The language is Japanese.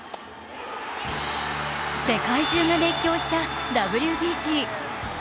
世界中が熱狂したＷＢＣ。